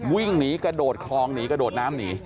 วิ่งหนีกระโดดคลองหนีกระโดดน้ำหนี